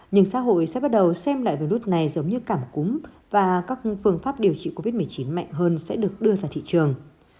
nhưng xã hội sẽ bắt đầu xem lại virus này giống như cảm cúm và các phương pháp điều trị covid một mươi chín mạnh hơn sẽ được đưa ra thị trường